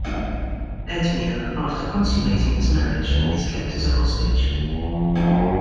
Edmure, after consummating his marriage, is kept as a hostage.